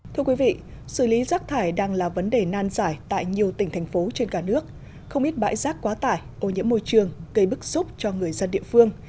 thưa quý vị xử lý rác thải đang là vấn đề nan giải tại nhiều tỉnh thành phố trên cả nước không ít bãi rác quá tải ô nhiễm môi trường gây bức xúc cho người dân địa phương